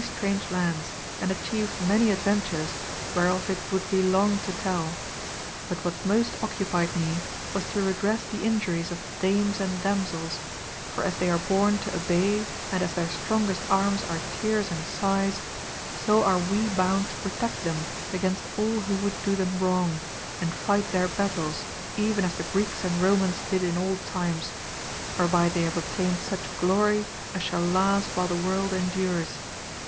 strange lands, and atchieved many adventures where of it would be long to tell ; but what most occupied me was to redress the injuries of dames and damsels, for as they are born to obey and as their strongest arms are tears and sighs, so are we bound to protect them against all who would do them wrong, and fight their battles even as the Greeks and Romans did in old times, whereby they have obtained such glory as shall last while the world endures.